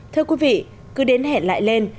thưa quý vị cứ đến hẹn lại lên